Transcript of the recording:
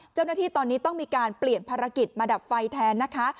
เจ้าหน้าที่ตอนนี้ต้องมีการเปลี่ยนภารกิจมาดับไฟแทนนะคะ